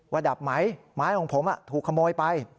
ดับไหมไม้ของผมถูกขโมยไป